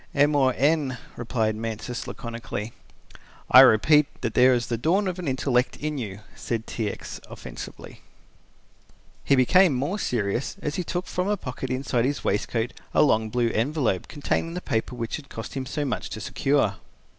"M. or N.," replied Mansus, laconically. "I repeat that there is the dawn of an intellect in you," said T. X., offensively. He became more serious as he took from a pocket inside his waistcoat a long blue envelope containing the paper which had cost him so much to secure.